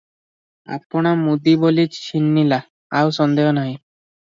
ଆପଣା ମୁଦି ବୋଲି ଛିହ୍ନିଲା, ଆଉ ସନ୍ଦେହ ନାହିଁ ।